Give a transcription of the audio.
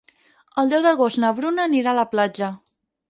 El deu d'agost na Bruna anirà a la platja.